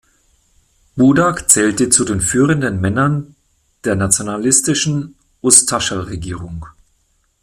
Budak zählte zu den führenden Männern der nationalistischen Ustascha-Regierung.